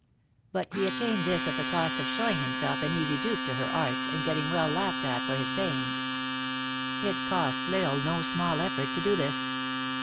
But he at tained this at the cost of showing himself an easy dupe to her arts, and getting well laughed at for his pains. It cost L Isle no small effort to do this.